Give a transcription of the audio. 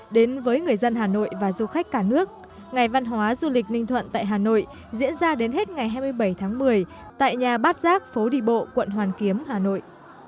đến với người dân hà nội và du khách cả nước ngày văn hóa du lịch ninh thuận tại hà nội diễn ra đến hết ngày hai mươi bảy tháng một mươi tại nhà bát giác phố đi bộ quận hoàn kiếm hà nội